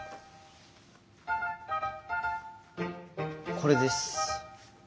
これです。